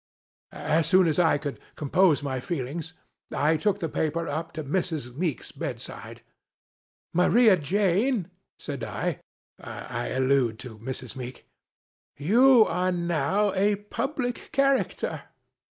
As soon as I could compose my feelings, I took the paper up to Mrs. Meek's bedside. " Maria Jane," said I (I allude to Mrs. Meek), " you are now a public character."